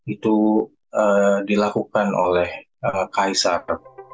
itu dilakukan oleh kaisar